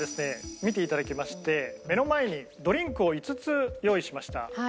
見ていただきまして目の前にドリンクを５つ用意しました。